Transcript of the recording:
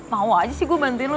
mau aja sih gue bantuin lo